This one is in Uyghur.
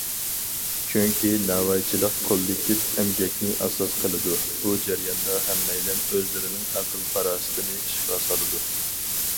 چۈنكى ناۋايچىلىق كوللېكتىپ ئەمگەكنى ئاساس قىلىدۇ، بۇ جەرياندا ھەممەيلەن ئۆزلىرىنىڭ ئەقىل- پاراسىتىنى ئىشقا سالىدۇ.